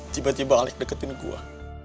tiba tiba alek deketin gue